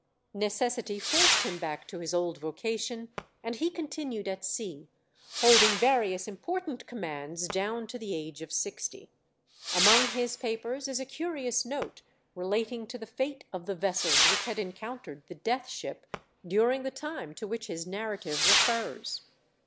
Necessity forced him back to his old vocation and he continued at sea, holding various important commands down to the age of sixty. Among his papers is a curious note relating to the fate of the vessels which had encountered the Death Ship during the time to which his narrative refers.